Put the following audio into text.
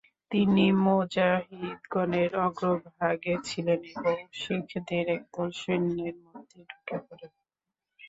তিনি মুজাহিদগণের অগ্রভাগে ছিলেন এবং শিখদের একদল সৈন্যের মধ্যে ঢুকে পড়েন।